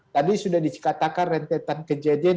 tadi sudah dikatakan rentetan kejadian